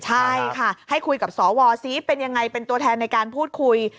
ใช่ค่ะให้คุยกับสวซิเป็นยังไงเป็นตัวแทนในการพูดคุย